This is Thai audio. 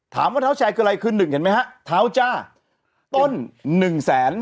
เท้าแชร์คืออะไรคือหนึ่งเห็นไหมฮะเท้าจ้าต้นหนึ่งแสน